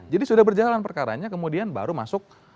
jadi sudah berjalan perkaranya kemudian baru masuk